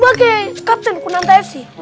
bagi kapten konanta fc